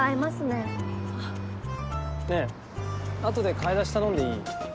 ねえあとで買い出し頼んでいい？